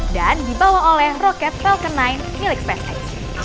dan dibawa oleh roket falcon sembilan milik spacex